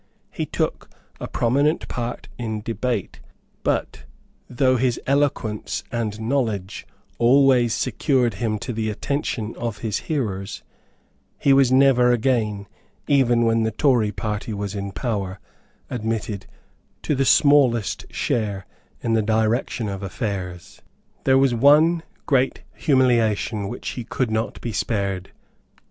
He took a prominent part in debate; but, though his eloquence and knowledge always secured to him the attention of his hearers, he was never again, even when the Tory party was in power, admitted to the smallest share in the direction of affairs. There was one great humiliation which he could not be spared.